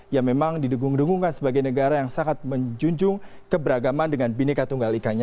yang memang didungung dungungkan sebagai negara yang sangat menjunjung keberagaman dengan bineka tunggal ikannya